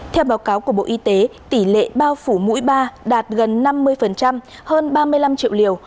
theo báo cáo của bộ y tế tỷ lệ bao phủ mũi ba đạt gần năm mươi hơn ba mươi năm triệu liều